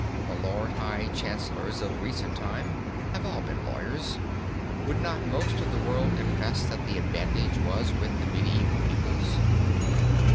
The Lord High Chancellors of recent time have all been lawyers. Would not most of the world confess that the advantage was with the medieval peoples?